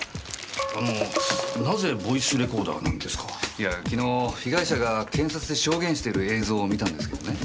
いや昨日被害者が検察で証言してる映像を見たんですけどね。